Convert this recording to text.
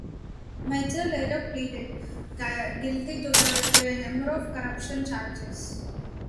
Metzger later pleaded guilty to a number of corruption charges.